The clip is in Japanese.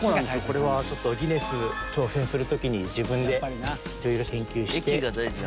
これはちょっとギネス挑戦する時に自分で色々研究して作りました。